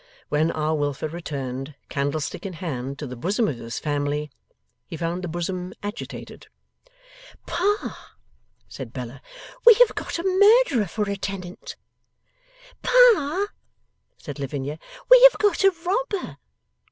When R. Wilfer returned, candlestick in hand, to the bosom of his family, he found the bosom agitated. 'Pa,' said Bella, 'we have got a Murderer for a tenant.' 'Pa,' said Lavinia, 'we have got a Robber.